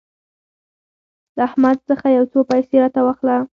له احمد څخه يو څو پيسې راته واخله.